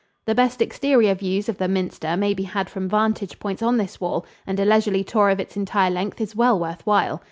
The best exterior views of the minster may be had from vantage points on this wall, and a leisurely tour of its entire length is well worth while.